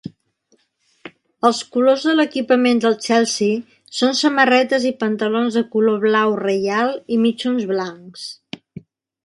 Els colors de l'equipament del Chelsea són samarretes i pantalons de color blau reial i mitjons blancs.